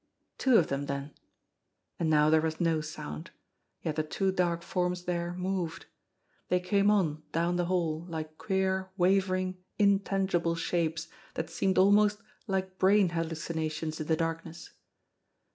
Two of them, then! And now there was no sound yet the two dark forms there moved. They came on down the hall like queer, wavering, intangible shapes that seemed almost like brain hallucinations in the darkness.